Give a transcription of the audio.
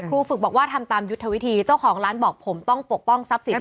ฝึกบอกว่าทำตามยุทธวิธีเจ้าของร้านบอกผมต้องปกป้องทรัพย์สิน